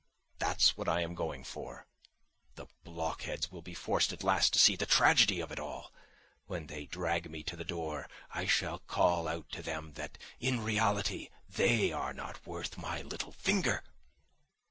That's what I am going for. The blockheads will be forced at last to see the tragedy of it all! When they drag me to the door I shall call out to them that in reality they are not worth my little finger.